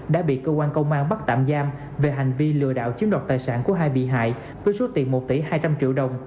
đã bị cơ quan công an bắt tạm giam về hành vi lừa đảo chiếm đoạt tài sản của hai bị hại với số tiền một tỷ hai trăm linh triệu đồng